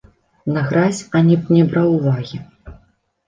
На гразь ані б не браў увагі.